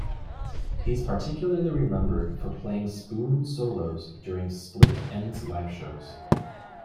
He is particularly remembered for playing spoon solos during Split Enz live shows.